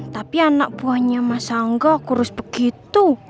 tapi anak buahnya mas angga kurus begitu